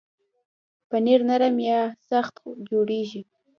پنېر نرم یا سخت جوړېږي.